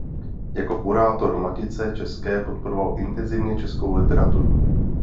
Jako kurátor Matice české podporoval intenzivně českou literaturu.